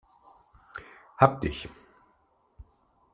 Hab dich!